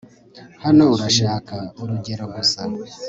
Hano Urashaka urugero gusa